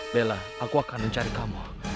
bella aku akan mencari kamu